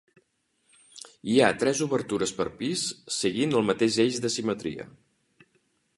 Hi ha tres obertures per pis seguint el mateix eix de simetria.